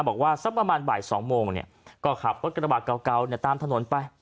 บอกว่าสักประมาณบ่ายสองโมงเนี่ยก็ขับกระบะเกาเกาเนี่ยตามถนนไป